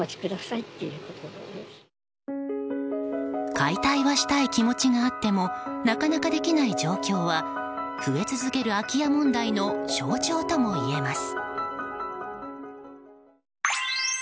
解体はしたい気持ちがあってもなかなかできない状況は増え続ける空き家問題の象徴ともいえます。